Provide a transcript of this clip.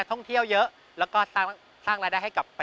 จอมชนชอบอ่ะ